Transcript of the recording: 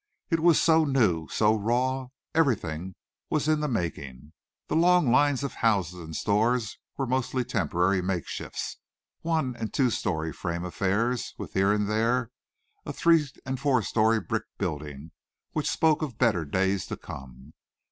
It was so new, so raw; everything was in the making. The long lines of houses and stores were mostly temporary make shifts one and two story frame affairs with here and there a three and four story brick building which spoke of better days to come.